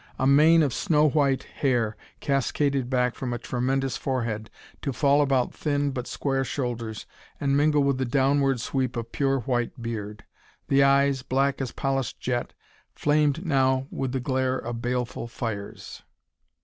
A mane of snow white hair cascaded back from a tremendous forehead to fall about thin but square shoulders and mingle with the downward sweep of pure white beard. The eyes, black as polished jet, flamed now with the glare of baleful fires.